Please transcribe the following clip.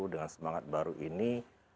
dengan semangat baru ini